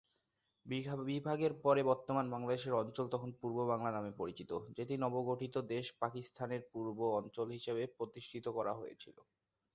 বিভাগের পরে বর্তমান বাংলাদেশের অঞ্চল তখন পূর্ব বাংলা নামে পরিচিত, যেটি নবগঠিত দেশ পাকিস্তানের পূর্ব অঞ্চল হিসেবে প্রতিষ্ঠিত করা হয়েছিল।